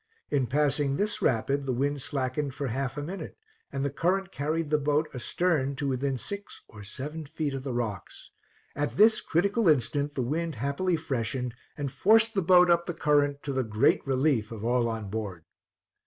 In passing this rapid the wind slackened for half a minute, and the current carried the boat astern to within six or seven feet of the rocks; at this critical instant the wind happily freshened, and forced the boat up the current, to the great relief of all on board.